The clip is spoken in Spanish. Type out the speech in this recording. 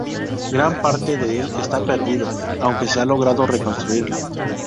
Gran parte del está perdido, aunque se ha logrado reconstruirlo.